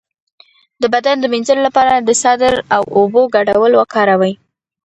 د بدن د مینځلو لپاره د سدر او اوبو ګډول وکاروئ